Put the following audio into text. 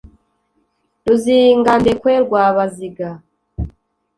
Ruzingandekwe rwa Baziga,